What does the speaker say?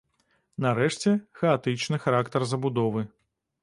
Нарэшце, хаатычны характар забудовы.